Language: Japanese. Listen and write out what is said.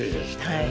はい。